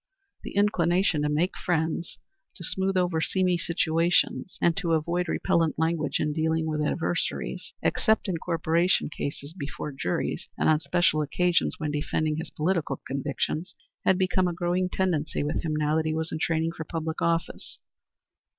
The inclination to make friends, to smooth over seamy situations and to avoid repellent language in dealing with adversaries, except in corporation cases before juries and on special occasions when defending his political convictions, had become a growing tendency with him now that he was in training for public office.